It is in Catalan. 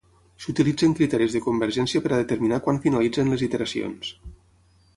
S'utilitzen criteris de convergència per a determinar quan finalitzen les iteracions.